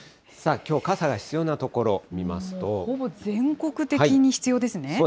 さあ、きょう、傘が必要な所、見ほぼ全国的に必要ですね。